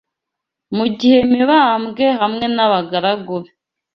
mu gihe Mibambwe I hamwe n’abagaragu be